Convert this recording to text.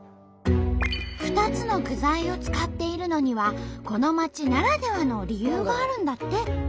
２つの具材を使っているのにはこの町ならではの理由があるんだって。